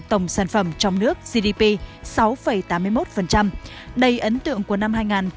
tổng sản phẩm trong nước gdp sáu tám mươi một đầy ấn tượng của năm hai nghìn một mươi chín